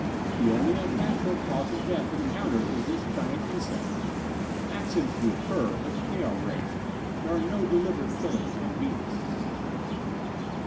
The only unnatural cause of death encountered is this giant insect. Accidents do occur, but they are rare. There are no deliberate killings on Venus."